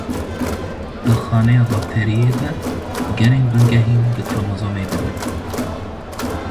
Di xaneya bakteriyê de genên bingehîn di kromozomê de ne.